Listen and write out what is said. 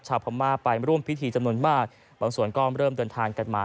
พม่าไปร่วมพิธีจำนวนมากบางส่วนก็เริ่มเดินทางกันมา